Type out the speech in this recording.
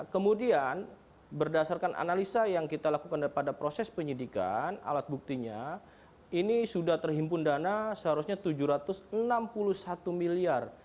kemudian berdasarkan analisa yang kita lakukan pada proses penyidikan alat buktinya ini sudah terhimpun dana seharusnya rp tujuh ratus enam puluh satu miliar